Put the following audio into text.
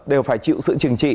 đều phải chịu sự chừng trị